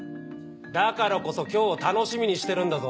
「だからこそ今日を楽しみにしてるんだぞ」